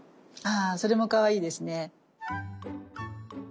あそれもかわいいですね。